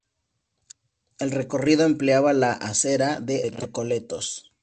El recorrido empleaba la Acera de Recoletos.